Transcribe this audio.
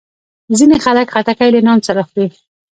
ځینې خلک خټکی له نان سره خوري.